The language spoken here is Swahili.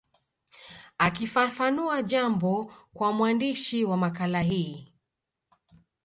Akifafanua jambo kwa mwandishi wa makala hii